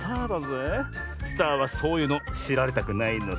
スターはそういうのしられたくないのさ！